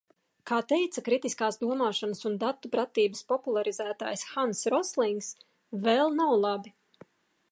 Kā teica kritiskās domāšanas un datu pratības popularizētājs Hanss Roslings - vēl nav labi.